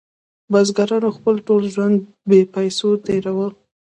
بزګرانو خپل ټول ژوند بې پیسو تیروه.